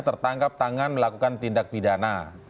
tertangkap tangan melakukan tindak pidana